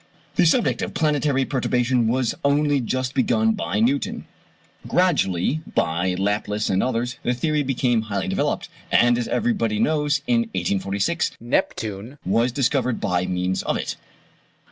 The subject of planetary perturbation was only just begun by Newton. Gradually (by Laplace and others) the theory became highly developed; and, as everybody knows, in 1846 Neptune was discovered by means of it.